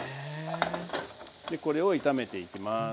これを炒めていきます